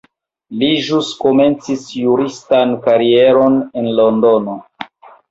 Li ĵus komencis juristan karieron en Londono.